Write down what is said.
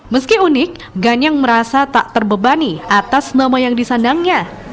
meski unik ganyang merasa tak terbebani atas nama yang disandangnya